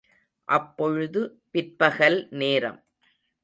அப்பொழுது பிற்பகல் நேரம்.